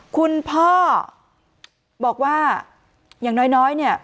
คุณพ่อบอกว่าอย่างน้อยเนี่ย